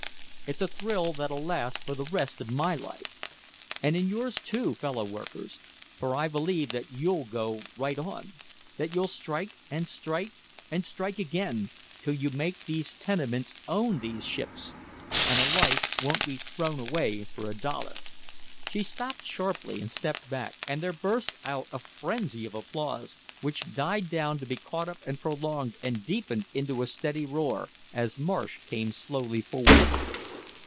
It's a thrill that'll last for the rest of my life! And in yours, too, fellow workers! For I believe that you'll go right on that you'll strike and strike and strike again till you make these tenements own these ships and a life won't be thrown away for a dollar!" She stopped sharply and stepped back, and there burst out a frenzy of applause, which died down to be caught up and prolonged and deepened into a steady roar, as Marsh came slowly forward.